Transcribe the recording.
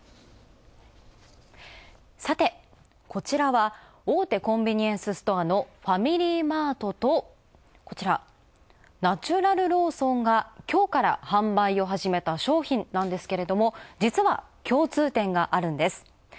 さて、こちらは大手コンビニエンスストアのファミリーマートと、こちら、ナチュラルローソンがきょうから販売を始めた商品なんですが、実は共通点があるんです。